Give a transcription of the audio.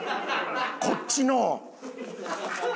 こっちのを！